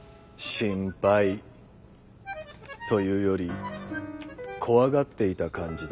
心配というより恐がっていた感じだった。